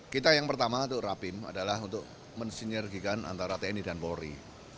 kita yang pertama untuk rapim adalah untuk mensinergikan antara tni dan polri